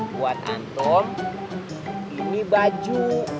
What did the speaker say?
buat antum ini baju